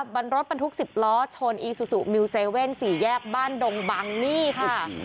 บรรรถบรรทุก๑๐ล้อชนอีซูซูมิวเซเว่น๔แยกบ้านดงบังนี่ค่ะ